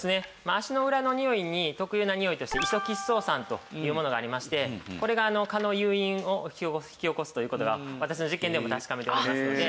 足の裏のにおいに特有なにおいとしてイソ吉草酸というものがありましてこれが蚊の誘因を引き起こすという事が私の実験でも確かめておりますので。